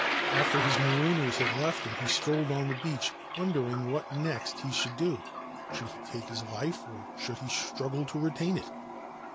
After his marooners had t him he strolled on the beach, wondering what next he ould do. Should he take his life, or should he struggle retain it